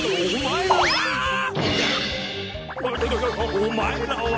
おお前らは。